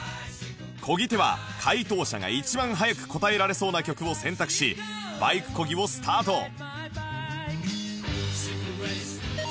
漕ぎ手は回答者が一番早く答えられそうな曲を選択しバイク漕ぎをスタート